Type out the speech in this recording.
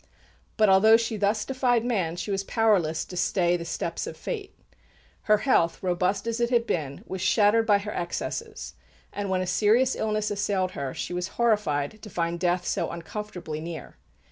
But, although she thus defied man, she was powerless to stay the steps of fate. Her health, robust as it had been, was shattered by her excesses; and when a serious illness assailed her, she was horrified to find death so uncomfortably near.